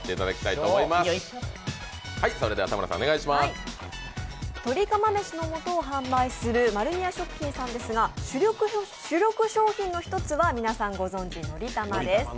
とり釜めしの素を販売する丸美屋食品さんですが、主力商品の一つは皆さんご存じ、のりたまです。